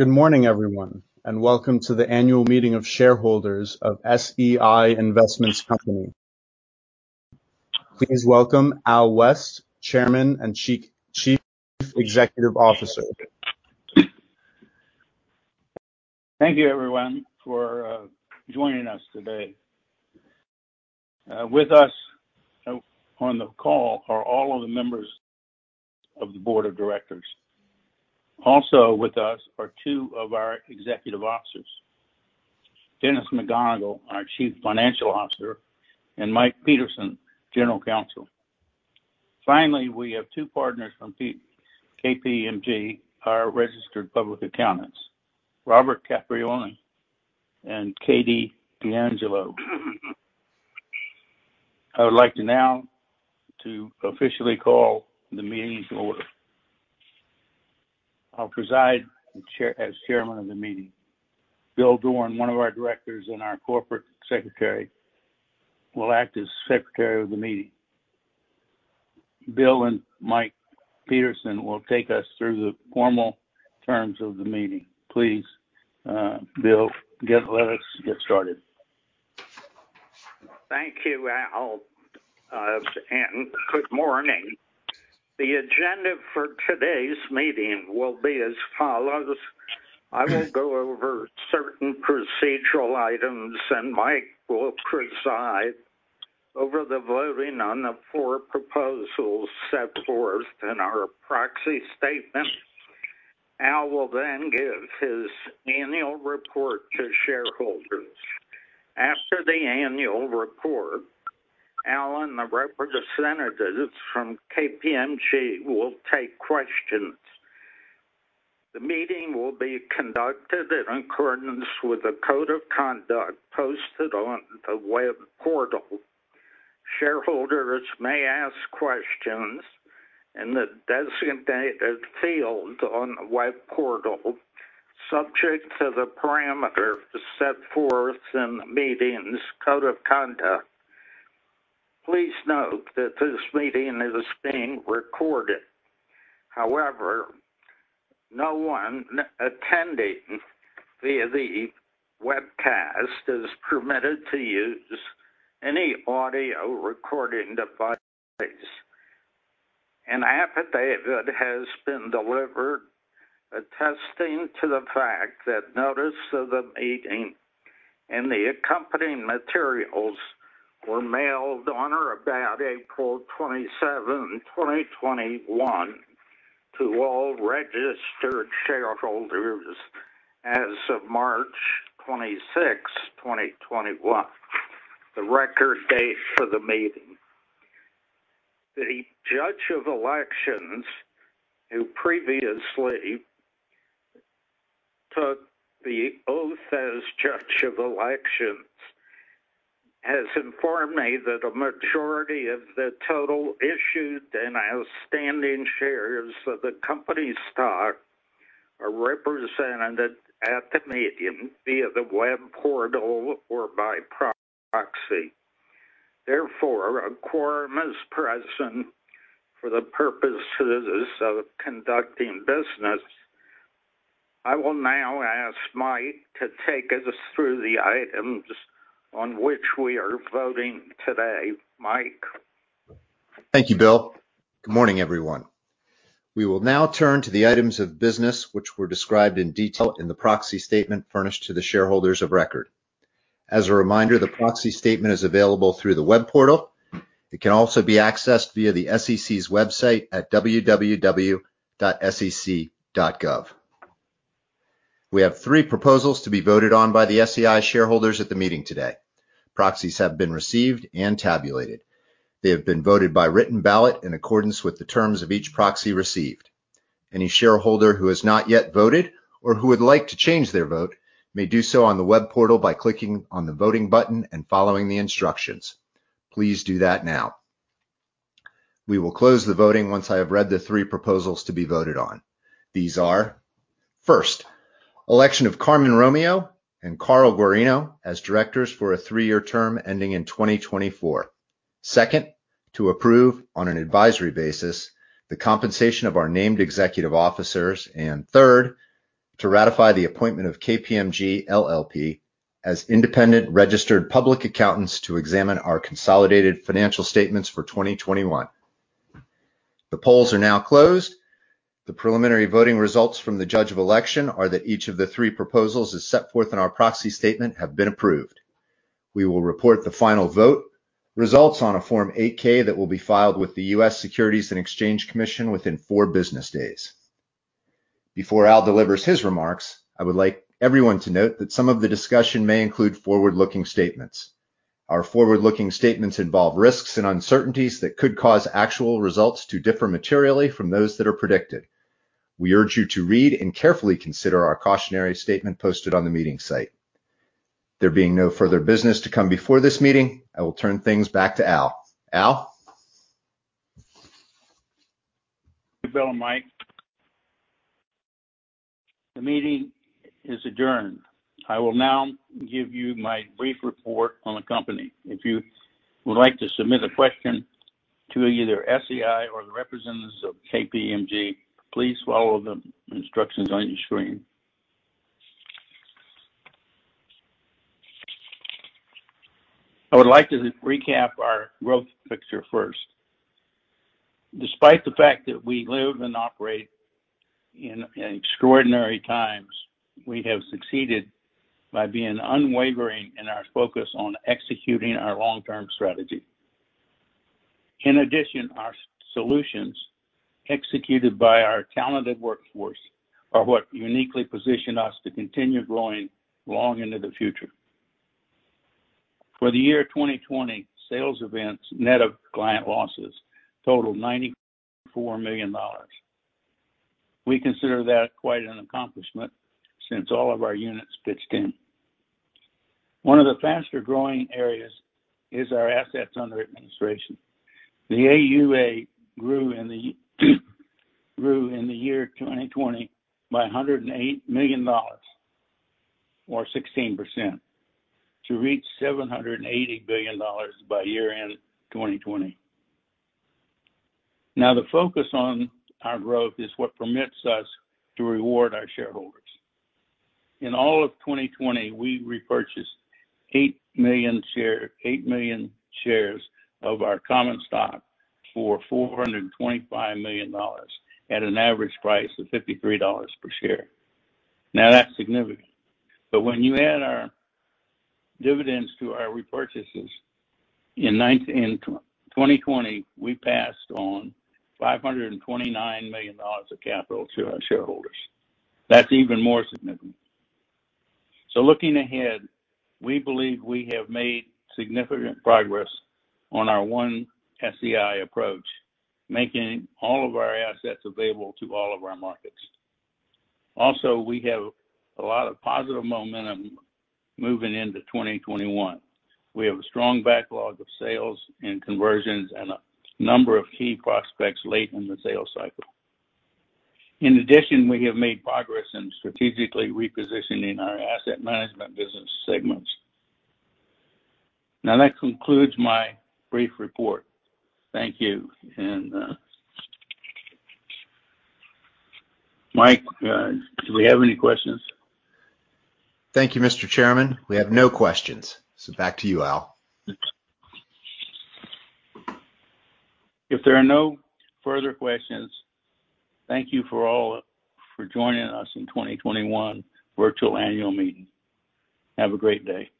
Good morning, everyone, and welcome to the annual meeting of shareholders of SEI Investments Company. Please welcome Alfred West Chairman and Chief Executive Officer. Thank you everyone for joining us today. With us on the call are all of the members of the board of directors. Also with us are two of our executive officers, Dennis McGonigle, our Chief Financial Officer, and Mike Peterson, General Counsel. Finally, we have two partners from KPMG, our registered public accountants, Robert Caprioni and Katie D'Angelo. I would like now to officially call the meeting to order. I'll preside as chairman of the meeting. Will Doran, one of our directors and our corporate secretary, will act as secretary of the meeting. Bill and Mike Peterson will take us through the formal terms of the meeting. Please, Bill, let us get started. Thank you, Al. Good morning. The agenda for today's meeting will be as follows. I will go over certain procedural items. Mike will preside over the voting on the four proposals set forth in our proxy statement. Al will give his annual report to shareholders. After the annual report, Al and the representatives from KPMG will take questions. The meeting will be conducted in accordance with a code of conduct posted on the web portal. Shareholders may ask questions in the designated field on the web portal, subject to the parameters set forth in the meeting's code of conduct. Please note that this meeting is being recorded. No one attending via the webcast is permitted to use any audio recording device. An affidavit has been delivered attesting to the fact that notice of the meeting and the accompanying materials were mailed on or about April 27, 2021, to all registered shareholders as of March 26, 2021, the record date for the meeting. The judge of elections, who previously took the oath as judge of elections, has informed me that a majority of the total issued and outstanding shares of the company stock are represented at the meeting via the web portal or by proxy. Therefore, a quorum is present for the purposes of conducting business. I will now ask Mike to take us through the items on which we are voting today. Mike? Thank you, Bill. Good morning, everyone. We will now turn to the items of business, which were described in detail in the proxy statement furnished to the shareholders of record. As a reminder, the proxy statement is available through the web portal. It can also be accessed via the SEC's website at www.sec.gov. We have three proposals to be voted on by the SEI shareholders at the meeting today. Proxies have been received and tabulated. They have been voted by written ballot in accordance with the terms of each proxy received. Any shareholder who has not yet voted or who would like to change their vote may do so on the web portal by clicking on the voting button and following the instructions. Please do that now. We will close the voting once I have read the three proposals to be voted on. These are, first, election of Carmen Romeo and Carl Guarino as directors for a three-year term ending in 2024. Second, to approve on an advisory basis the compensation of our named executive officers. Third, to ratify the appointment of KPMG LLP as independent registered public accountants to examine our consolidated financial statements for 2021. The polls are now closed. The preliminary voting results from the judge of election are that each of the three proposals as set forth in our proxy statement have been approved. We will report the final vote results on a Form 8-K that will be filed with the U.S. Securities and Exchange Commission within four business days. Before Al delivers his remarks, I would like everyone to note that some of the discussion may include forward-looking statements. Our forward-looking statements involve risks and uncertainties that could cause actual results to differ materially from those that are predicted. We urge you to read and carefully consider our cautionary statement posted on the meeting site. There being no further business to come before this meeting, I will turn things back to Al. Al? Thank you, Bill and Mike. The meeting is adjourned. I will now give you my brief report on the company. If you would like to submit a question to either SEI or the representatives of KPMG, please follow the instructions on your screen. I would like to recap our growth picture first. Despite the fact that we live and operate in extraordinary times, we have succeeded by being unwavering in our focus on executing our long-term strategy. In addition, our solutions executed by our talented workforce are what uniquely position us to continue growing long into the future. For the year 2020, sales events net of client losses totaled $94 million. We consider that quite an accomplishment since all of our units pitched in. One of the faster-growing areas is our assets under administration. The AUA grew in the year 2020 by $108 million or 16% to reach $780 billion by year-end 2020. The focus on our growth is what permits us to reward our shareholders. In all of 2020, we repurchased 8 million shares of our common stock for $425 million at an average price of $53 per share. That's significant. When you add our dividends to our repurchases in 2020, we passed on $529 million of capital to our shareholders. That's even more significant. Looking ahead, we believe we have made significant progress on our One SEI approach, making all of our assets available to all of our markets. Also, we have a lot of positive momentum moving into 2021. We have a strong backlog of sales and conversions and a number of key prospects late in the sales cycle. In addition, we have made progress in strategically repositioning our asset management business segments. That concludes my brief report. Thank you. Mike, do we have any questions? Thank you, Mr. Chairman. We have no questions. Back to you, Al. If there are no further questions, thank you for joining us in 2021 virtual annual meeting. Have a great day.